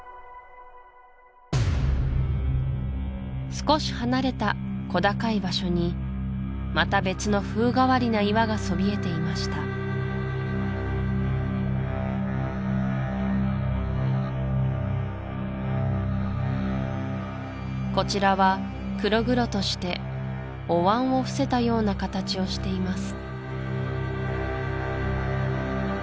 少し離れた小高い場所にまた別の風変わりな岩がそびえていましたこちらは黒々としておわんをふせたような形をしています